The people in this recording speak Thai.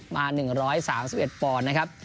มา๑๓๑ปอนด์นะครับ